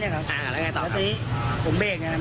มาจากนู้น